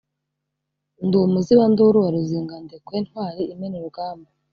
Ndi umuzibanduru wa ruzingandekwe, ntwali imena urugamba